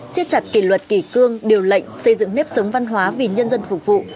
xiết chặt kỷ luật kỷ cương điều lệnh xây dựng nếp sống văn hóa vì nhân dân phục vụ